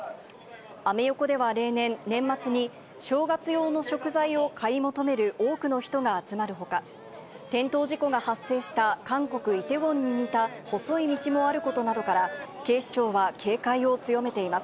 アメ横では例年、年末に、正月用の食材を買い求める多くの人が集まるほか、転倒事故が発生した韓国・イテウォンに似た細い道もあることなどから、警視庁は警戒を強めています。